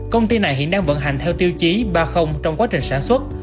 công ty này hiện đang vận hành theo tiêu chí ba trong quá trình sản xuất